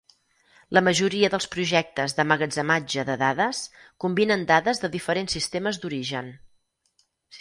La majoria dels projectes d'emmagatzematge de dades combinen dades de diferents sistemes d'origen.